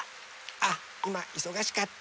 あっいまいそがしかった。